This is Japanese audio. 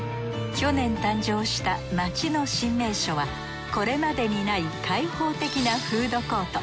去年誕生した街の新名所はこれまでにない開放的なフードコート。